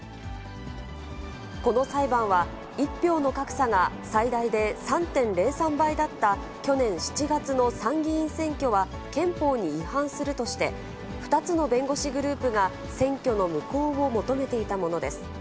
この裁判は、１票の格差が最大で３．０３倍だった去年７月の参議院選挙は憲法に違反するとして、２つの弁護士グループが選挙の無効を求めていたものです。